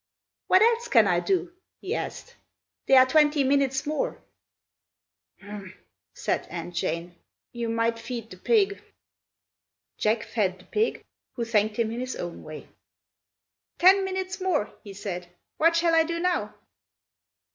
"What else can I do?" he asked. "There are twenty minutes more." "Humph!" said Aunt Jane. "You might feed the pig." Jack fed the pig, who thanked him in his own way. "Ten minutes more!" he said. "What shall I do now?"